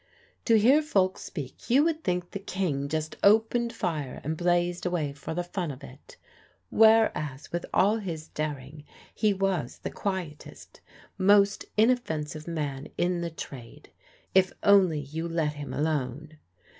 To hear folks speak you would think the King just opened fire and blazed away for the fun of it; whereas, with all his daring, he was the quietest, most inoffensive man in the trade, if only you let him alone.